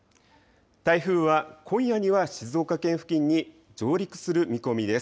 台風は今夜には静岡県付近に上陸する見込みです。